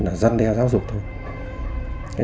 là dân đeo giáo dục thôi